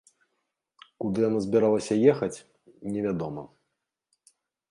Куды яна збіралася ехаць, невядома.